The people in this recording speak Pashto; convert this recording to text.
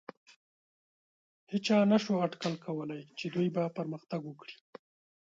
هېچا نهشو اټکل کولی، چې دوی به پرمختګ وکړي.